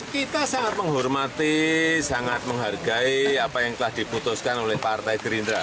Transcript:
kita sangat menghormati sangat menghargai apa yang telah diputuskan oleh partai gerindra